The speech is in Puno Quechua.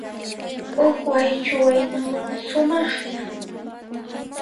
Huk Waychu waynawan, sumaqllan.